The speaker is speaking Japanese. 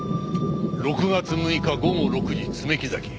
６月６日午後６時爪木崎。